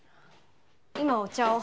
今お茶を。